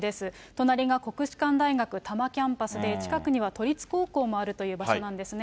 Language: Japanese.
隣が国士舘大学多摩キャンパスで、近くには都立高校もあるという場所なんですね。